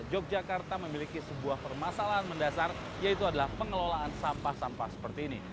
yogyakarta memiliki sebuah permasalahan mendasar yaitu adalah pengelolaan sampah sampah seperti ini